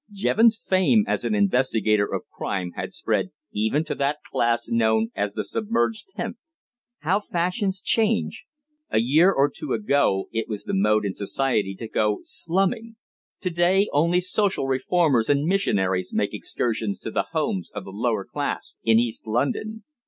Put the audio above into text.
Jevons' fame as an investigator of crime had spread even to that class known as the submerged tenth. How fashions change! A year or two ago it was the mode in Society to go "slumming." To day only social reformers and missionaries make excursions to the homes of the lower class in East London.